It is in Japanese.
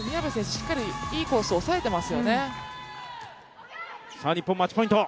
しっかりいいコースを押さえてますよね。